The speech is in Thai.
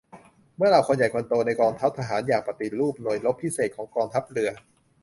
เมื่อเหล่าคนใหญ่คนโตในกองทัพทหารอยากปฏิรูปหน่วยรบพิเศษของกองทัพเรือ